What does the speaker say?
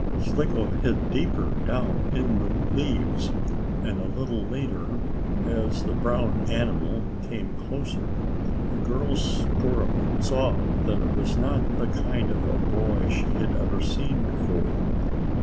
Slicko hid deeper down in the leaves, and, a little later, as the brown animal came closer, the girl squirrel saw that it was not the kind of a boy she had ever seen before.